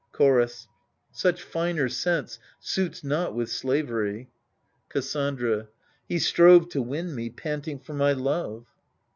Chorus Such finer sense suits not with slavery. Cassandra He strove to win me, panting for my love.